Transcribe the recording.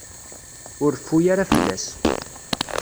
Ur reffu ara fell-as.